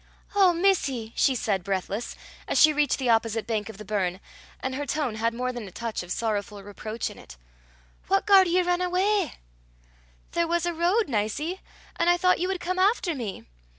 "Oh, missie!" she said, breathless, as she reached the opposite bank of the burn, and her tone had more than a touch of sorrowful reproach in it, "what garred ye rin awa?" "There was a road, Nicie, and I thought you would come after me."